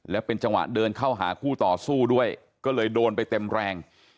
แล้วเป็นจังหวะเดินเข้าหาคู่ต่อสู้ด้วยก็เลยโดนไปเต็มแรง